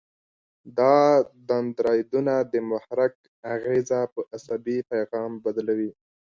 دا دندرایدونه د محرک اغیزه په عصبي پیغام بدلوي.